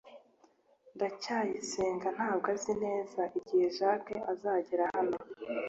ndacyayisenga ntabwo azi neza igihe jaki azagera hano